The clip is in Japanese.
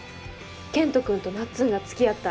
健人君となっつんが付き合ったら。